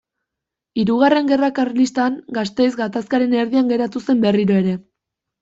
Hirugarren Gerra Karlistan Gasteiz gatazkaren erdian geratu zen berriro ere.